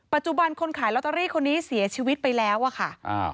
คนขายลอตเตอรี่คนนี้เสียชีวิตไปแล้วอะค่ะ